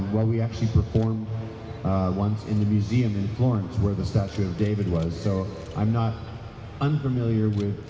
dan jadi ini akan menjadi pertama kali untuk saya